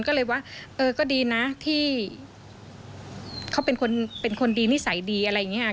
ก็เลยว่าเออก็ดีนะที่เขาเป็นคนเป็นคนดีนิสัยดีอะไรอย่างนี้ค่ะ